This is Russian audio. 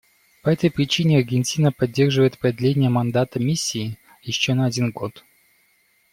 По этой причине Аргентина поддерживает продление мандата Миссии еще на один год.